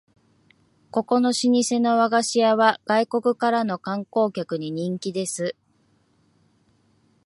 ここの老舗の和菓子屋は外国からの観光客に人気です